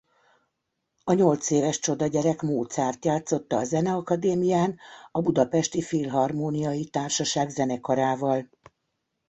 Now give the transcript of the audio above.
A nyolcéves csodagyerek Mozart játszotta a Zeneakadémián a Budapesti Filharmóniai Társaság Zenekarával.